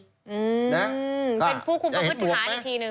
อืมเป็นผู้คุมประพธิษฐานีทีหนึ่งจะเห็นรวบไหม